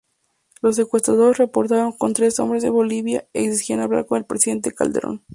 Los secuestradores, reportados como tres hombres de Bolivia, exigían hablar con el Presidente Calderón.